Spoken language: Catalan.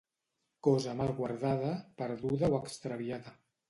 Cosa mal guardada, perduda o extraviada.